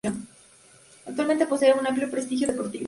Actualmente posee un amplio prestigio deportivo.